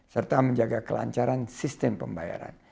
serta menjaga kelancaran sistem pembayaran